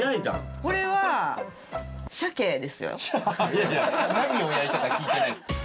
いやいや何を焼いたか聞いてないです。